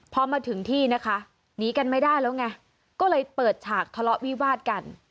พอมาถึงที่นะคะหนีกันไม่ได้แล้วไงก็เลยเปิดฉากทะเลาะวิวาดกัน